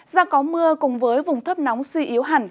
do có mưa cùng với vùng thấp nóng suy yếu hẳn